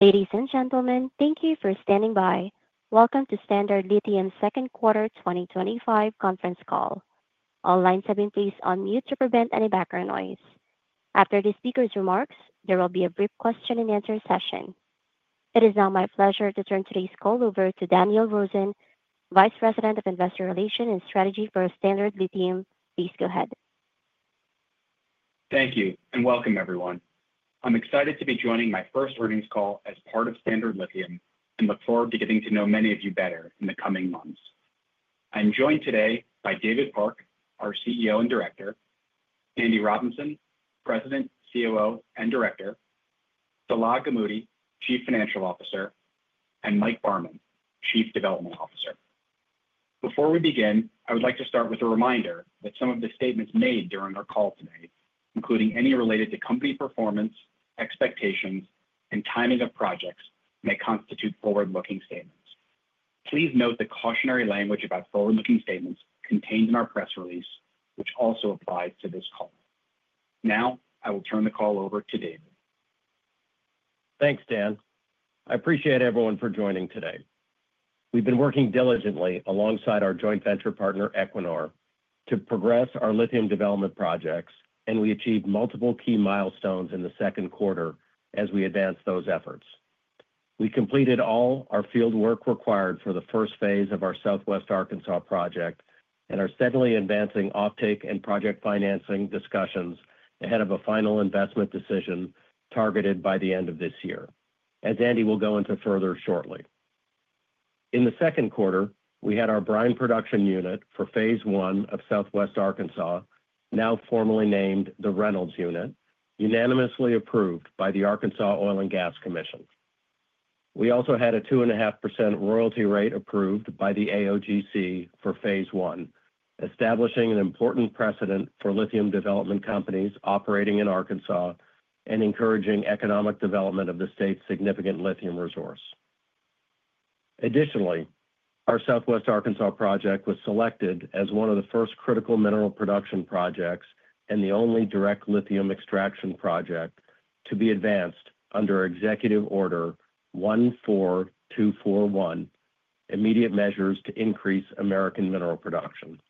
Ladies and gentlemen, thank you for standing by. Welcome to Standard Lithium's second quarter 2025 conference call. All lines have been placed on mute to prevent any background noise. After the speaker's remarks, there will be a brief question and answer session. It is now my pleasure to turn today's call over to Daniel Rosen, Vice President of Strategy and Investor Relations for Standard Lithium. Please go ahead. Thank you and welcome, everyone. I'm excited to be joining my first earnings call as part of Standard Lithium and look forward to getting to know many of you better in the coming months. I'm joined today by David Park, our CEO and Director, Andy Robinson, President, COO and Director, Salah Gamoudi, Chief Financial Officer, and Mike Barman, Chief Development Officer. Before we begin, I would like to start with a reminder that some of the statements made during our call today, including any related to company performance, expectations, and timing of projects, may constitute forward-looking statements. Please note the cautionary language about forward-looking statements contained in our press release, which also applies to this call. Now, I will turn the call over to David. Thanks, Dan. I appreciate everyone for joining today. We've been working diligently alongside our joint venture partner, Equinor, to progress our lithium development projects, and we achieved multiple key milestones in the second quarter as we advanced those efforts. We completed all our fieldwork required for the first phase of our Southwest Arkansas project and are steadily advancing offtake and project financing discussions ahead of a final investment decision targeted by the end of this year, as Andy will go into further shortly. In the second quarter, we had our brine production unit for phase I of Southwest Arkansas, now formally named the Reynolds Unit, unanimously approved by the Arkansas Oil and Gas Commission. We also had a 2.5% royalty rate approved by the AOGC for phase I, establishing an important precedent for lithium development companies operating in Arkansas and encouraging economic development of the state's significant lithium resource. Additionally, our Southwest Arkansas project was selected as one of the first critical mineral production projects and the only direct lithium extraction project to be advanced under Executive Order 14241, Immediate Measures to Increase American Mineral Production.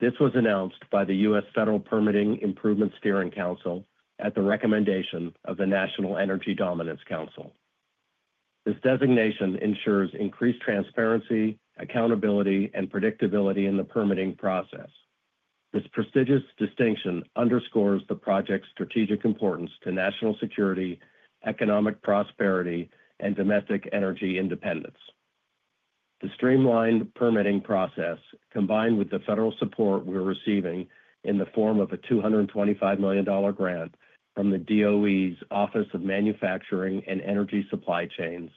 This was announced by the U.S. Federal Permitting Improvement Steering Council at the recommendation of the National Energy Dominance Council. This designation ensures increased transparency, accountability, and predictability in the permitting process. This prestigious distinction underscores the project's strategic importance to national security, economic prosperity, and domestic energy independence. The streamlined permitting process, combined with the federal support we're receiving in the form of a $225 million grant from the DOE's Office of Manufacturing and Energy Supply Chains,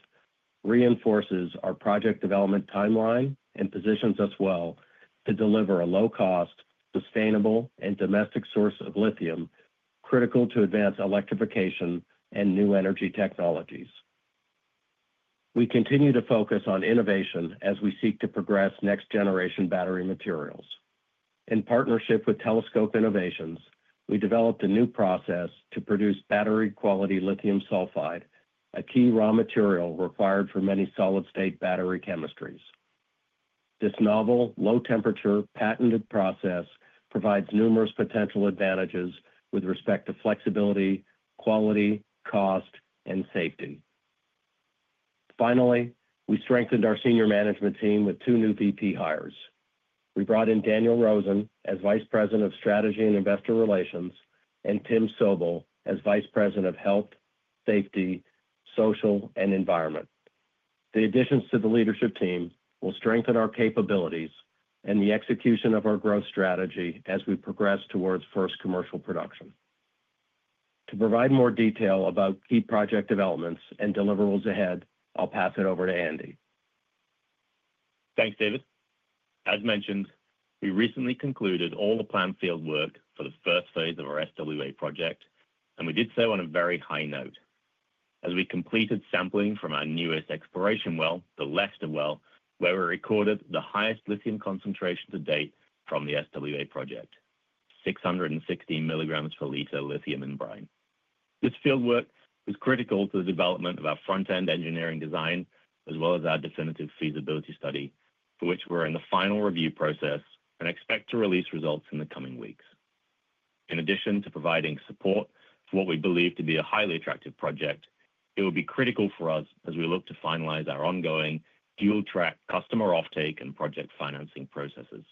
reinforces our project development timeline and positions us well to deliver a low-cost, sustainable, and domestic source of lithium, critical to advance electrification and new energy technologies. We continue to focus on innovation as we seek to progress next-generation battery materials. In partnership with Telescope Innovations, we developed a new process to produce battery-quality lithium sulfide, a key raw material required for many solid-state battery chemistries. This novel, low-temperature, patented process provides numerous potential advantages with respect to flexibility, quality, cost, and safety. Finally, we strengthened our senior management team with two new VP hires. We brought in Daniel Rosen as Vice President of Strategy and Investor Relations and Tim Sobel as Vice President of Health, Safety, Social, and Environment. The additions to the leadership team will strengthen our capabilities and the execution of our growth strategy as we progress towards first commercial production. To provide more detail about key project developments and deliverables ahead, I'll pass it over to Andy. Thanks, David. As mentioned, we recently concluded all the planned fieldwork for the first phase of our SWA project, and we did so on a very high note. As we completed sampling from our newest exploration well, the Lester Well, where we recorded the highest lithium concentration to date from the SWA project: 616 mg/L lithium in brine. This fieldwork was critical to the development of our front-end engineering design, as well as our definitive feasibility study, for which we're in the final review process and expect to release results in the coming weeks. In addition to providing support for what we believe to be a highly attractive project, it will be critical for us as we look to finalize our ongoing dual-track customer offtake and project financing processes.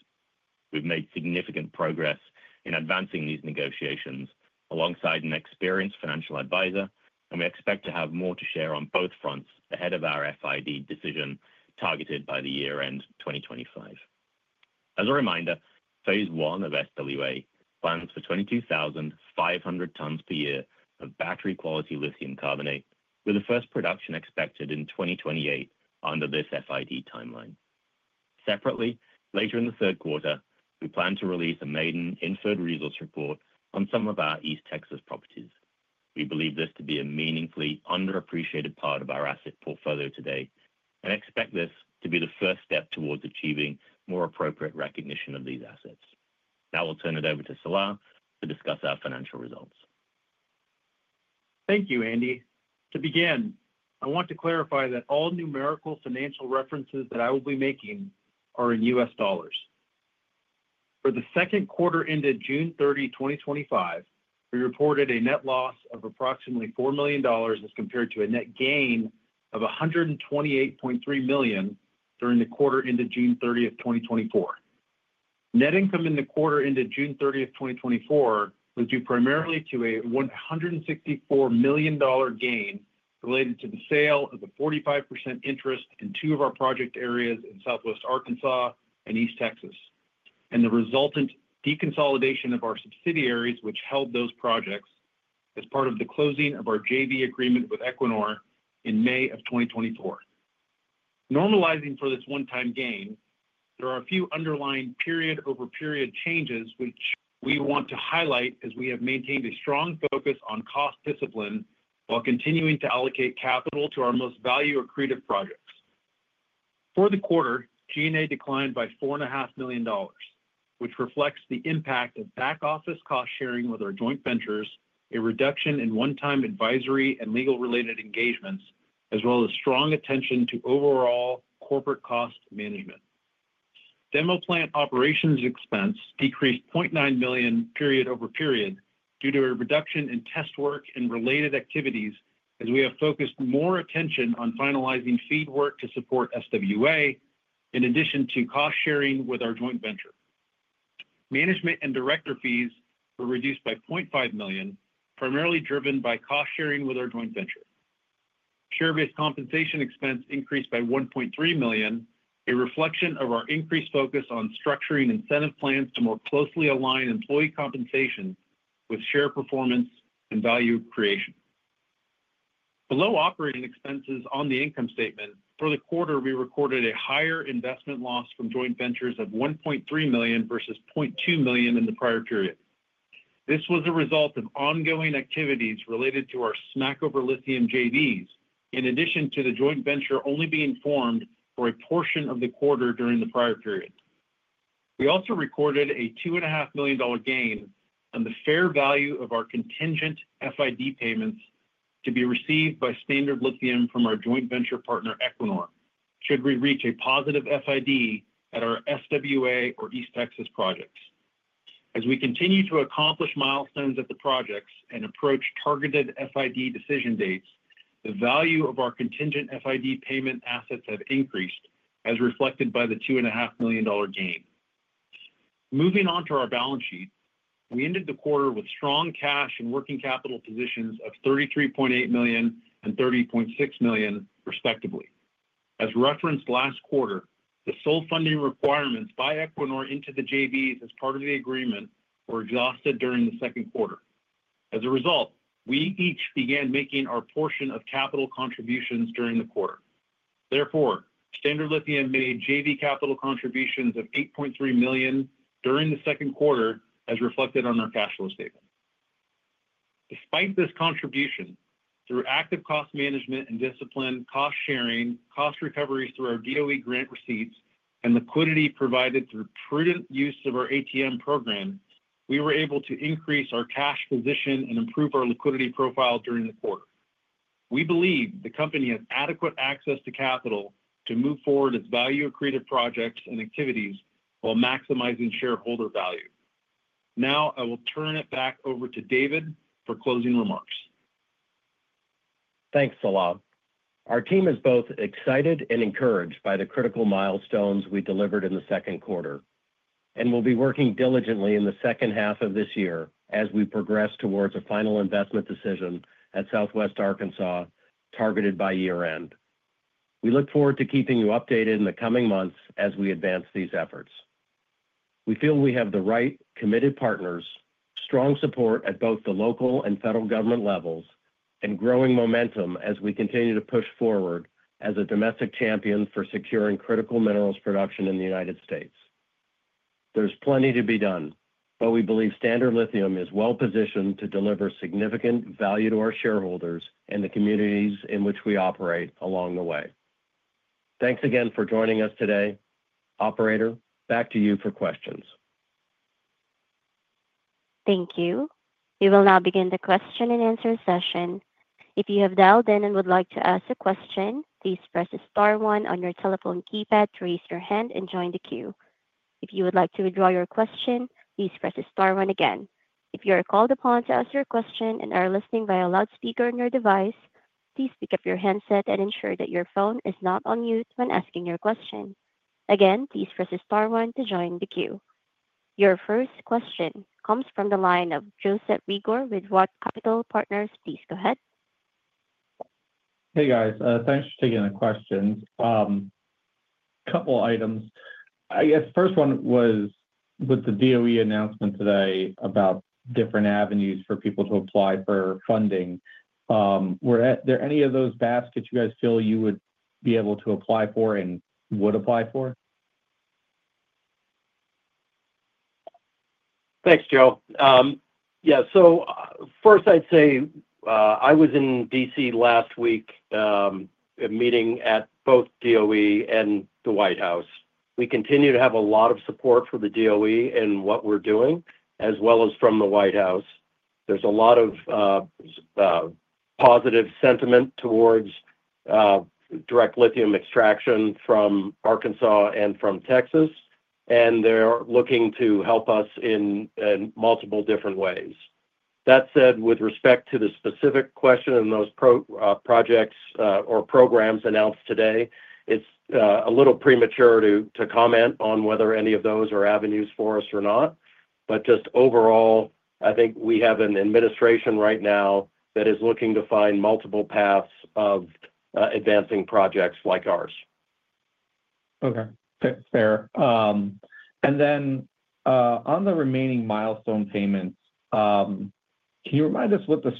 We've made significant progress in advancing these negotiations alongside an experienced financial advisor, and we expect to have more to share on both fronts ahead of our FID decision targeted by the year-end 2025. As a reminder, phase I of SWA plans for 22,500 t per year of battery-quality lithium carbonate, with the first production expected in 2028 under this FID timeline. Separately, later in the third quarter, we plan to release a maiden inferred resource report on some of our East Texas properties. We believe this to be a meaningfully underappreciated part of our asset portfolio today and expect this to be the first step towards achieving more appropriate recognition of these assets. Now, I'll turn it over to Salah to discuss our financial results. Thank you, Andy. To begin, I want to clarify that all numerical financial references that I will be making are in U.S. dollars. For the second quarter ended June 30, 2025, we reported a net loss of approximately $4 million as compared to a net gain of $128.3 million during the quarter ended June 30th, 2024. Net income in the quarter ended June 30th, 2024, due primarily to a $164 million gain related to the sale of a 45% interest in two of our project areas in Southwest Arkansas and East Texas, and the resultant de-consolidation of our subsidiaries, which held those projects as part of the closing of our JV agreement with Equinor in May of 2024. Normalizing for this one-time gain, there are a few underlying period-over-period changes, which we want to highlight as we have maintained a strong focus on cost discipline while continuing to allocate capital to our most value-accretive projects. For the quarter, G&A declined by $4.5 million, which reflects the impact of back-office cost sharing with our joint ventures, a reduction in one-time advisory and legal-related engagements, as well as strong attention to overall corporate cost management. Demo plant operations expense decreased $900,000 period-over-period due to a reduction in test work and related activities as we have focused more attention on finalizing feed work to support SWA, in addition to cost sharing with our joint venture. Management and director fees were reduced by $500,000, primarily driven by cost sharing with our joint venture. Share-based compensation expense increased by $1.3 million, a reflection of our increased focus on structuring incentive plans to more closely align employee compensation with share performance and value creation. Below operating expenses on the income statement, for the quarter, we recorded a higher investment loss from joint ventures of $1.3 million versus $200,000 in the prior period. This was a result of ongoing activities related to our Smackover lithium JVs, in addition to the joint venture only being formed for a portion of the quarter during the prior period. We also recorded a $2.5 million gain on the fair value of our contingent FID payments to be received by Standard Lithium from our joint venture partner, Equinor, should we reach a positive FID at our SWA or East Texas projects. As we continue to accomplish milestones at the projects and approach targeted FID decision dates, the value of our contingent FID payment assets have increased, as reflected by the $2.5 million gain. Moving on to our balance sheet, we ended the quarter with strong cash and working capital positions of $33.8 million and $30.6 million, respectively. As referenced last quarter, the sole funding requirements by Equinor into the JVs as part of the agreement were exhausted during the second quarter. As a result, we each began making our portion of capital contributions during the quarter. Therefore, Standard Lithium made JV capital contributions of $8.3 million during the second quarter, as reflected on our cash flow statement. Despite this contribution, through active cost management and discipline, cost sharing, cost recoveries through our DOE grant receipts, and liquidity provided through prudent use of our ATM program, we were able to increase our cash position and improve our liquidity profile during the quarter. We believe the company has adequate access to capital to move forward its value-accretive projects and activities while maximizing shareholder value. Now, I will turn it back over to David for closing remarks. Thanks, Salah. Our team is both excited and encouraged by the critical milestones we delivered in the second quarter, and we'll be working diligently in the second half of this year as we progress towards a final investment decision at Southwest Arkansas targeted by year-end. We look forward to keeping you updated in the coming months as we advance these efforts. We feel we have the right committed partners, strong support at both the local and federal government levels, and growing momentum as we continue to push forward as a domestic champion for securing critical minerals production in the United States. There's plenty to be done, but we believe Standard Lithium is well-positioned to deliver significant value to our shareholders and the communities in which we operate along the way. Thanks again for joining us today. Operator, back to you for questions. Thank you. We will now begin the question and answer session. If you have dialed in and would like to ask a question, please press the star one on your telephone keypad to raise your hand and join the queue. If you would like to withdraw your question, please press the star one again. If you are called upon to ask your question and are listening via a loudspeaker on your device, please pick up your headset and ensure that your phone is not on mute when asking your question. Again, please press the star one to join the queue. Your first question comes from the line of Joseph Reagor with ROTH Capital Partners. Please go ahead. Hey, guys. Thanks for taking the questions. A couple of items. The first one was with the DOE announcement today about different avenues for people to apply for funding. Were there any of those baskets you guys feel you would be able to apply for and would apply for? Thanks, Joe. Yeah, so first I'd say I was in D.C. last week meeting at both DOE and the White House. We continue to have a lot of support from the DOE in what we're doing, as well as from the White House. There's a lot of positive sentiment towards direct lithium extraction from Arkansas and from Texas, and they're looking to help us in multiple different ways. That said, with respect to the specific question and those projects or programs announced today, it's a little premature to comment on whether any of those are avenues for us or not. Just overall, I think we have an administration right now that is looking to find multiple paths of advancing projects like ours. Okay. Fair. On the remaining milestone payments, can you remind us what the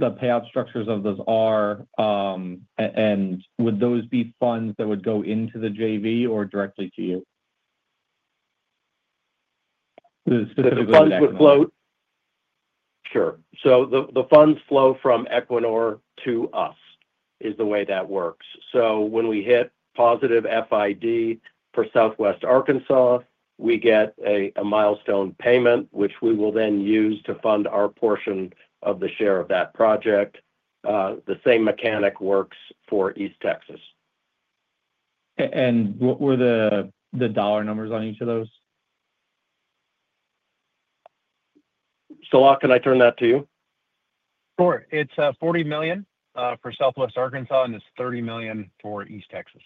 payout structures of those are? Would those be funds that would go into the JV or directly to you? The funds would flow. Sure. The funds flow from Equinor to us is the way that works. When we hit positive FID for Southwest Arkansas, we get a milestone payment, which we will then use to fund our portion of the share of that project. The same mechanic works for East Texas. What were the dollar numbers on each of those? Salah, can I turn that to you? Sure. It's $40 million for Southwest Arkansas, and it's $30 million for East Texas.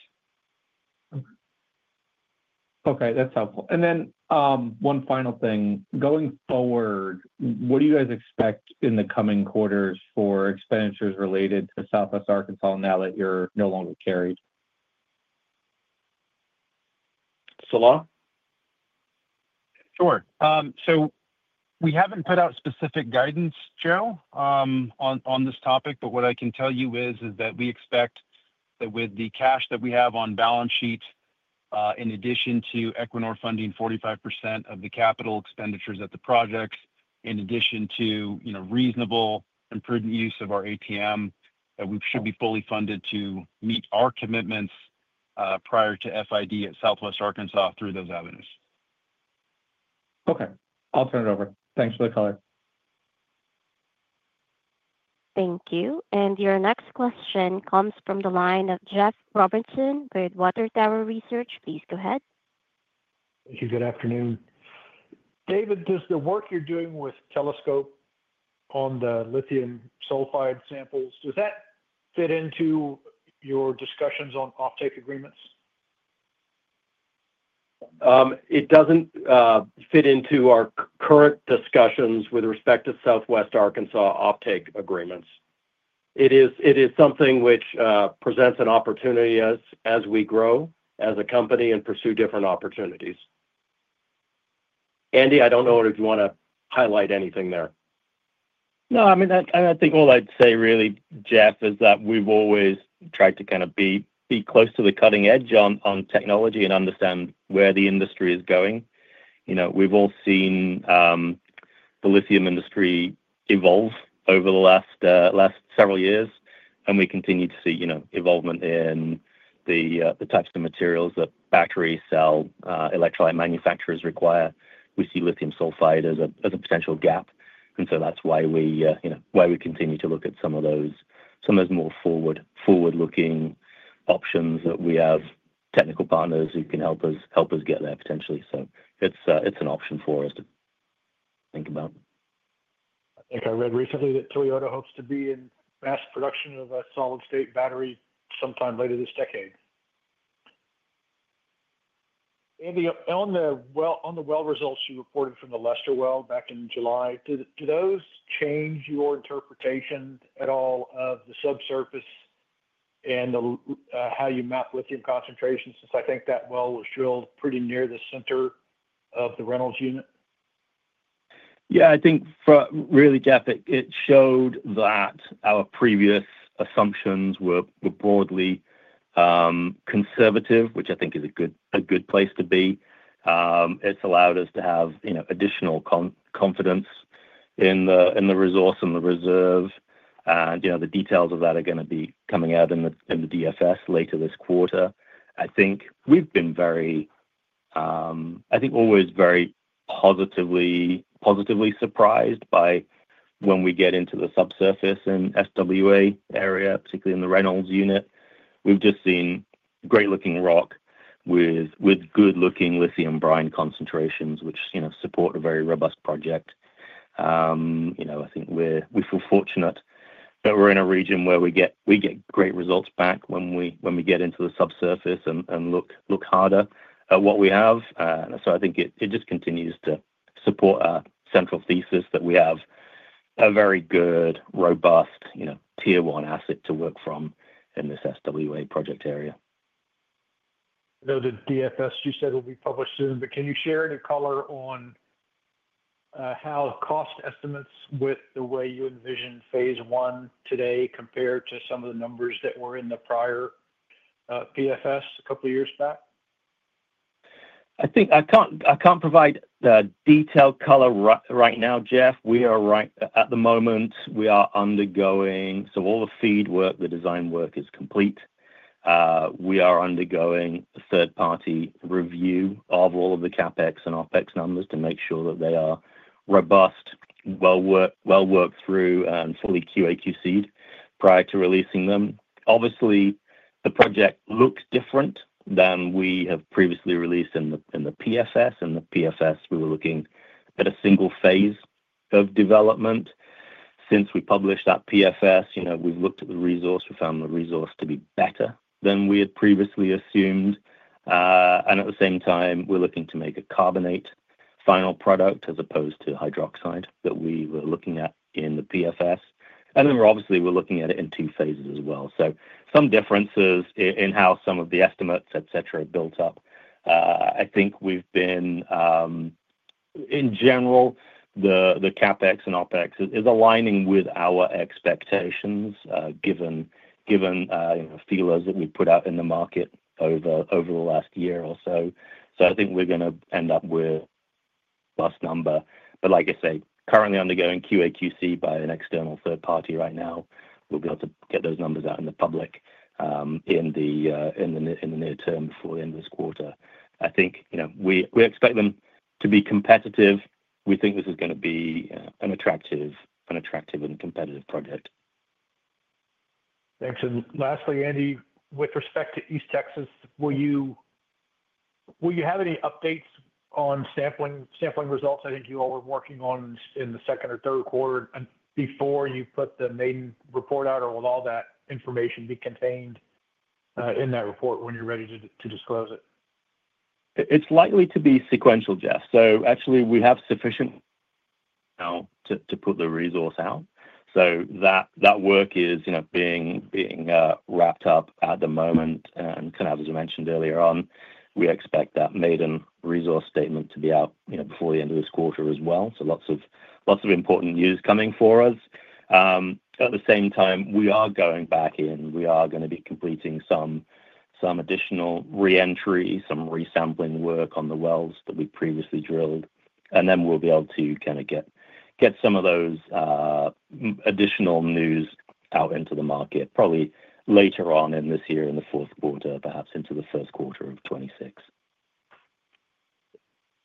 Okay. That's helpful. One final thing. Going forward, what do you guys expect in the coming quarters for expenditures related to Southwest Arkansas now that you're no longer carried? Salah? Sure. We haven't put out specific guidance, Joe, on this topic, but what I can tell you is that we expect that with the cash that we have on balance sheet, in addition to Equinor funding 45% of the capital expenditures at the projects, in addition to reasonable and prudent use of our ATM, we should be fully funded to meet our commitments prior to FID at Southwest Arkansas through those avenues. Okay, I'll turn it over. Thanks for the call. Thank you. Your next question comes from the line of Jeff Robertson with Water Tower Research. Please go ahead. Thank you. Good afternoon. David, does the work you're doing with Telescope on the lithium sulfide samples, does that fit into your discussions on offtake agreements? It doesn't fit into our current discussions with respect to Southwest Arkansas offtake agreements. It is something which presents an opportunity as we grow as a company and pursue different opportunities. Andy, I don't know if you want to highlight anything there. No, I mean, I think all I'd say really, Jeff, is that we've always tried to kind of be close to the cutting edge on technology and understand where the industry is going. We've all seen the lithium industry evolve over the last several years, and we continue to see evolvement in the types of materials that battery cell electrolyte manufacturers require. We see lithium sulfide as a potential gap. That's why we continue to look at some of those more forward-looking options that we have technical partners who can help us get there potentially. It's an option for us to think about. I think I read recently that Toyota hopes to be in mass production of a solid-state battery sometime later this decade. Andy, on the well results you reported from the Lester Well back in July, do those change your interpretation at all of the subsurface and how you map lithium concentrations since I think that well was drilled pretty near the center of the Reynolds Unit? Yeah, I think for really, Jeff, it showed that our previous assumptions were broadly conservative, which I think is a good place to be. It's allowed us to have additional confidence in the resource and the reserve. The details of that are going to be coming out in the DFS later this quarter. I think we've been always very positively surprised by when we get into the subsurface in the SWA area, particularly in the Reynolds Unit. We've just seen great-looking rock with good-looking lithium brine concentrations, which support a very robust project. I think we feel fortunate that we're in a region where we get great results back when we get into the subsurface and look harder at what we have. I think it just continues to support our central thesis that we have a very good, robust, Tier 1 asset to work from in this SWA project area. I know the DFS you said will be published soon, but can you share any color on how cost estimates with the way you envision phase I today compared to some of the numbers that were in the prior PFS a couple of years back? I think I can't provide the detailed color right now, Jeff. We are, right at the moment, undergoing, so all the FEED work, the design work is complete. We are undergoing a third-party review of all of the CapEx and OpEx numbers to make sure that they are robust, well-worked through, and fully QA/QC'd prior to releasing them. Obviously, the project looks different than we have previously released in the PFS. In the PFS, we were looking at a single phase of development. Since we published that PFS, we've looked at the resource. We found the resource to be better than we had previously assumed. At the same time, we're looking to make a carbonate final product as opposed to hydroxide that we were looking at in the PFS. We're obviously looking at it in two phases as well. There are some differences in how some of the estimates, etc., built up. I think we've been, in general, the CapEx and OpEx is aligning with our expectations given feelers that we've put out in the market over the last year or so. I think we're going to end up with a plus number. Like I say, currently undergoing QA/QC by an external third party right now. We'll be able to get those numbers out in the public in the near term before the end of this quarter. I think we expect them to be competitive. We think this is going to be an attractive and competitive project. Thanks. Lastly, Andy, with respect to East Texas, will you have any updates on sampling results? I think you all were working on in the second or third quarter before you put the maiden inferred resource report out, or will all that information be contained in that report when you're ready to disclose it? It's likely to be sequential, Jeff. We have sufficient to put the resource out. That work is being wrapped up at the moment. As I mentioned earlier on, we expect that maiden resource statement to be out before the end of this quarter as well. Lots of important news coming for us. At the same time, we are going back in. We are going to be completing some additional re-entry, some resampling work on the wells that we previously drilled. We'll be able to get some of those additional news out into the market probably later on in this year in the fourth quarter, perhaps into the third quarter of 2026.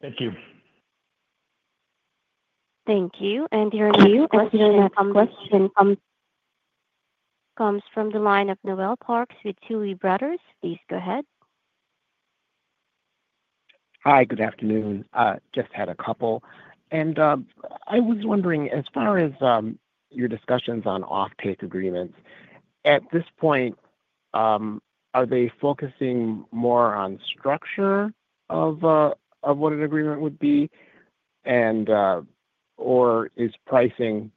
Thank you. Thank you. Your new question comes from the line of Noel Parks with Tuohy Brothers. Please go ahead. Hi. Good afternoon. Just had a couple. I was wondering, as far as your discussions on offtake agreements, at this point, are they focusing more on structure of what an agreement would be, or is pricing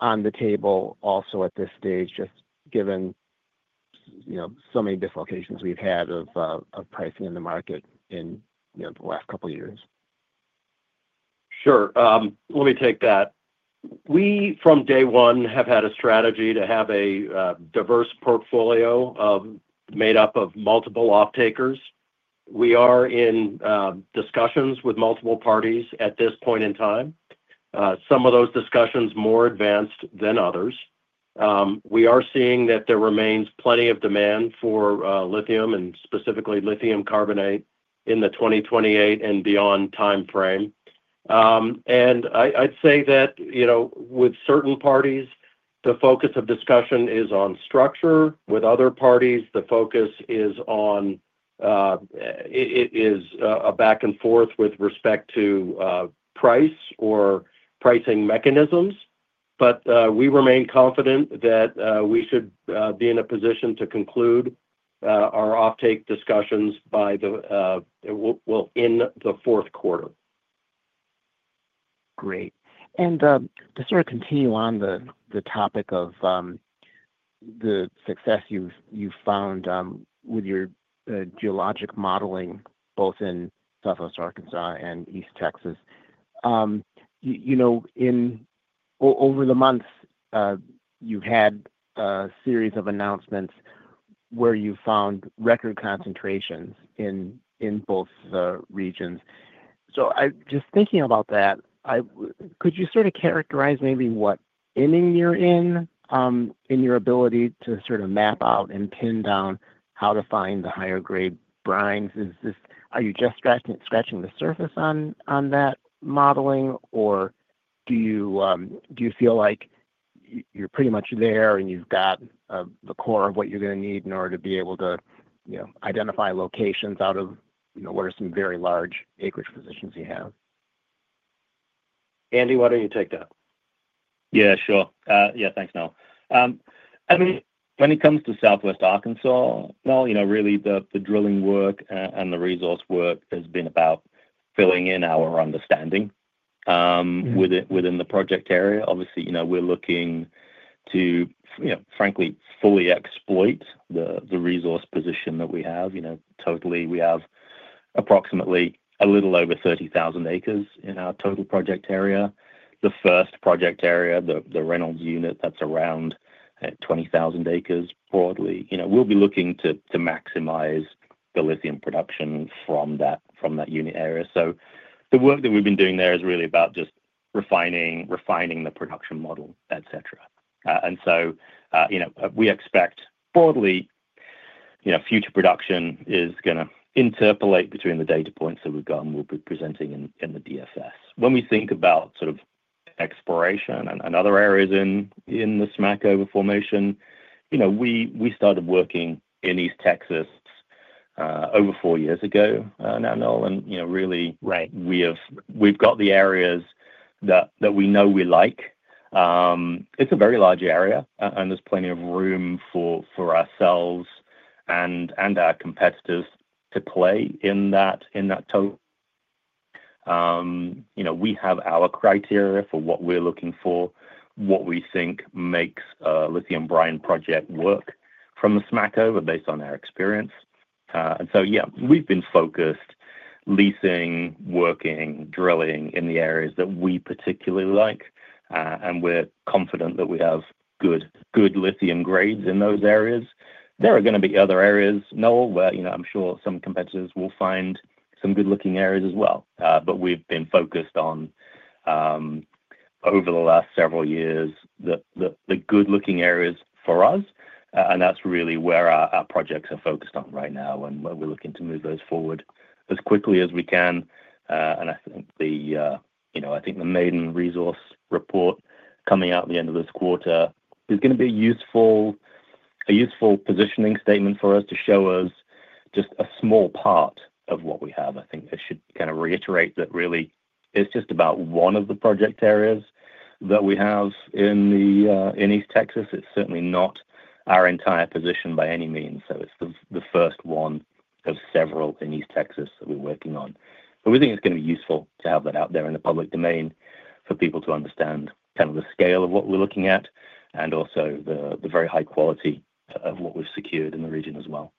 on the table also at this stage, just given so many dislocations we've had of pricing in the market in the last couple of years? Sure. Let me take that. We, from day one, have had a strategy to have a diverse portfolio made up of multiple offtakers. We are in discussions with multiple parties at this point in time. Some of those discussions more advanced than others. We are seeing that there remains plenty of demand for lithium and specifically lithium carbonate in the 2028 and beyond timeframe. I'd say that, you know, with certain parties, the focus of discussion is on structure. With other parties, the focus is on a back-and-forth with respect to price or pricing mechanisms. We remain confident that we should be in a position to conclude our offtake discussions by the fourth quarter. Great. Just to continue on the topic of the success you've found with your geologic modeling, both in Southwest Arkansas and East Texas, over the months, you had a series of announcements where you found record concentrations in both regions. I'm just thinking about that. Could you sort of characterize maybe what inning you're in, in your ability to sort of map out and pin down how to find the higher-grade brines? Is this, are you just scratching the surface on that modeling, or do you feel like you're pretty much there and you've got the core of what you're going to need in order to be able to, you know, identify locations out of, you know, what are some very large acreage positions you have? Andy, why don't you take that? Yeah, sure. Yeah, thanks, Noel. When it comes to Southwest Arkansas, the drilling work and the resource work has been about filling in our understanding within the project area. Obviously, we're looking to, frankly, fully exploit the resource position that we have. Totally, we have approximately a little over 30,000 acres in our total project area. The first project area, the Reynolds Unit, that's around 20,000 acres broadly. We'll be looking to maximize the lithium production from that unit area. The work that we've been doing there is really about just refining the production model, etc. We expect broadly future production is going to interpolate between the data points that we've got and we'll be presenting in the DFS. When we think about exploration and other areas in the Smackover formation, we started working in East Texas over four years ago, now, Noel, and we've got the areas that we know we like. It's a very large area, and there's plenty of room for ourselves and our competitors to play in that total. We have our criteria for what we're looking for, what we think makes a lithium brine project work from the Smackover based on our experience. We've been focused leasing, working, drilling in the areas that we particularly like, and we're confident that we have good lithium grades in those areas. There are going to be other areas, Noel, where I'm sure some competitors will find some good-looking areas as well. We've been focused on, over the last several years, the good-looking areas for us, and that's really where our projects are focused on right now, and we're looking to move those forward as quickly as we can. I think the maiden resource report coming out at the end of this quarter is going to be a useful positioning statement for us to show just a small part of what we have. I should kind of reiterate that really, it's just about one of the project areas that we have in East Texas. It's certainly not our entire position by any means. It's the first one of several in East Texas that we're working on. We think it's going to be useful to have that out there in the public domain for people to understand the scale of what we're looking at and also the very high quality of what we've secured in the region as well.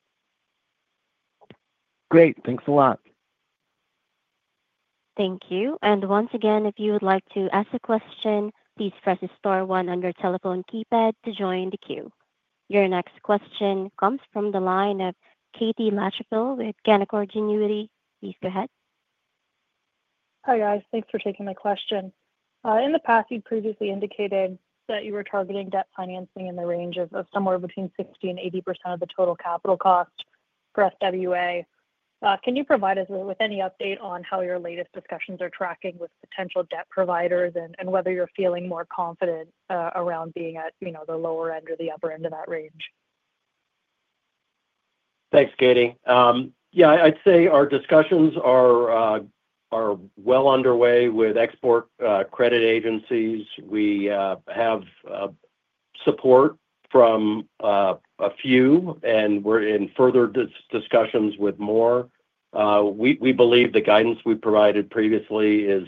Great, thanks a lot. Thank you. If you would like to ask a question, please press the star one on your telephone keypad to join the queue. Your next question comes from the line of Katie Lachapelle with Canaccord Genuity. Please go ahead. Hi, guys. Thanks for taking my question. In the past, you previously indicated that you were targeting debt financing in the range of somewhere between 60% and 80% of the total capital cost for SWA. Can you provide us with any update on how your latest discussions are tracking with potential debt providers and whether you're feeling more confident around being at, you know, the lower end or the upper end of that range? Thanks, Katie. I'd say our discussions are well underway with export credit agencies. We have support from a few, and we're in further discussions with more. We believe the guidance we provided previously is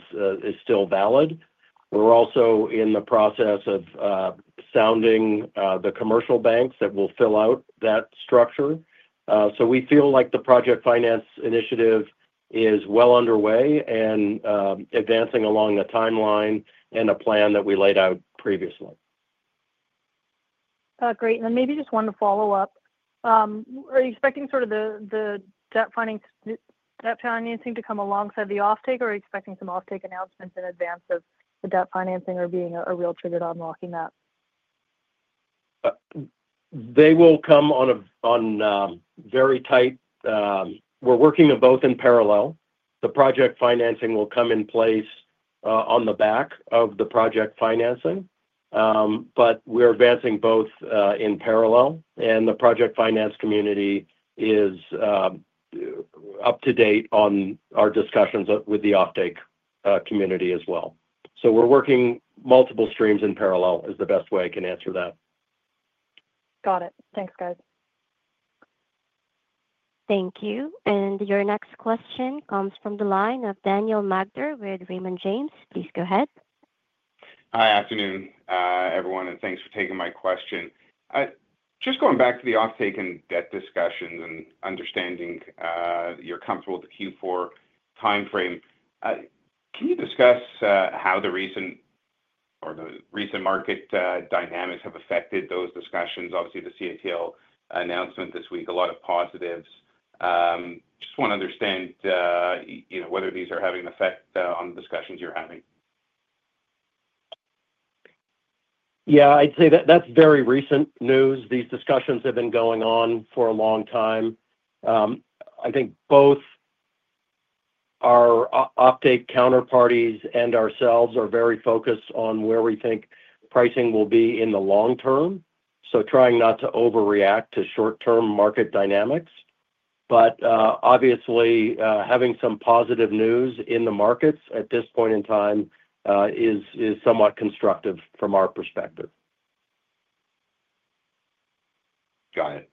still valid. We're also in the process of sounding the commercial banks that will fill out that structure. We feel like the project finance initiative is well underway and advancing along the timeline and a plan that we laid out previously. Great. Maybe just one follow-up. Are you expecting sort of the debt financing to come alongside the offtake, or are you expecting some offtake announcements in advance of the debt financing or being a real trigger to unlocking that? They will come on a very tight, we're working them both in parallel. The project financing will come in place on the back of the project financing, but we're advancing both in parallel, and the project finance community is up to date on our discussions with the offtake community as well. We're working multiple streams in parallel is the best way I can answer that. Got it. Thanks, guys. Thank you. Your next question comes from the line of Daniel Magder with Raymond James. Please go ahead. Hi, afternoon, everyone, and thanks for taking my question. Just going back to the offtake and debt discussions and understanding you're comfortable with the Q4 timeframe, can you discuss how the recent or the recent market dynamics have affected those discussions? Obviously, the CATL announcement this week, a lot of positives. Just want to understand whether these are having an effect on the discussions you're having. Yeah, I'd say that that's very recent news. These discussions have been going on for a long time. I think both our offtake counterparties and ourselves are very focused on where we think pricing will be in the long term, trying not to overreact to short-term market dynamics. Obviously, having some positive news in the markets at this point in time is somewhat constructive from our perspective. Got it.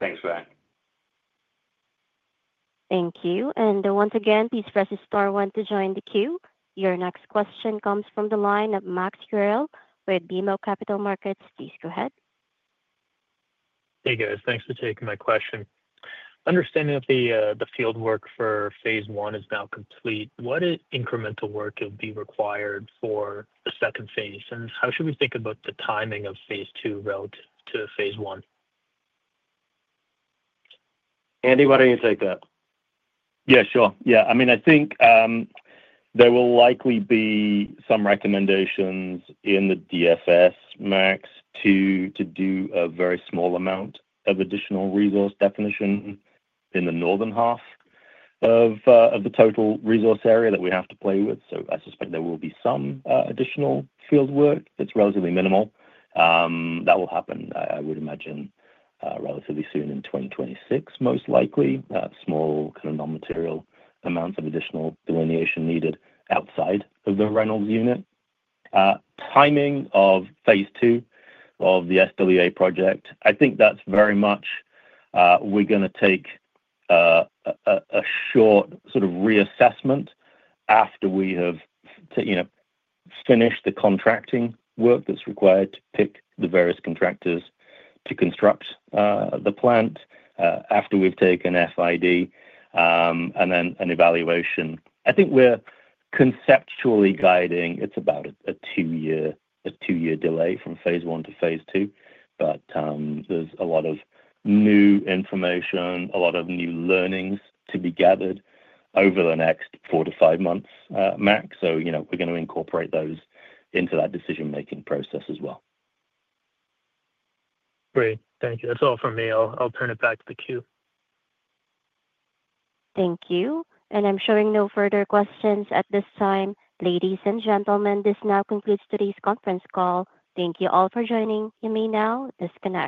Thanks for that. Thank you. Please press the star one to join the queue. Your next question comes from the line of Max Yerrill with BMO Capital Markets. Please go ahead. Hey, guys. Thanks for taking my question. Understanding that the fieldwork for phase I is now complete, what incremental work will be required for the second phase? How should we think about the timing of phase II relative to phase I? Andy, why don't you take that? Yeah, sure. I mean, I think there will likely be some recommendations in the DFS, Max, to do a very small amount of additional resource definition in the northern half of the total resource area that we have to play with. I suspect there will be some additional fieldwork. It's relatively minimal. That will happen, I would imagine, relatively soon in 2026, most likely small, kind of non-material amounts of additional delineation needed outside of the Reynolds Unit. Timing of phase II of the SWA project, I think that's very much we're going to take a short sort of reassessment after we have finished the contracting work that's required to pick the various contractors to construct the plant after we've taken FID and then an evaluation. I think we're conceptually guiding it's about a two-year delay from phase I to phase II, but there's a lot of new information, a lot of new learnings to be gathered over the next four to five months, Max. We're going to incorporate those into that decision-making process as well. Great. Thank you. That's all from me. I'll turn it back to the queue. Thank you. I'm showing no further questions at this time. Ladies and gentlemen, this now concludes today's conference call. Thank you all for joining. You may now disconnect.